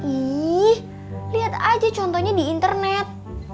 ih lihat aja contohnya di internet